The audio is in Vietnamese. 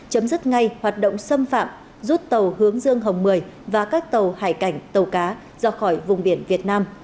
chấm dứt ngay hoạt động xâm phạm rút tàu hướng dương hồng một mươi và các tàu hải cảnh tàu cá do khỏi vùng biển việt nam